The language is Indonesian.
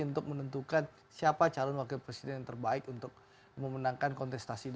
untuk menentukan siapa calon wakil presiden yang terbaik untuk memenangkan kontestasi dua ribu